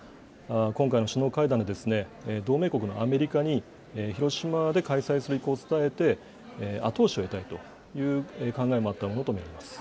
今回の首脳会談で同盟国のアメリカに、広島で開催する意向を伝えて、後押しを得たいという考えもあったものと見られます。